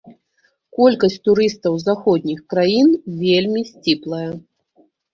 Колькасць турыстаў з заходніх краін вельмі сціплая.